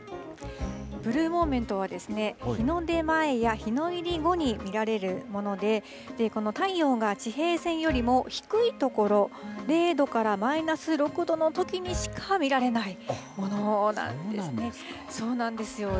ブルーモーメントはですね、日の出前や日の入り後に見られるもので、この太陽が地平線よりも低い所、０度からマイナス６度のときにしか見られないものなんですね。